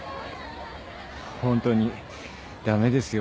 ホントに駄目ですよ俺なんて。